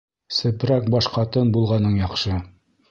Сепрәк баш ҡатын булғаның яҡшы.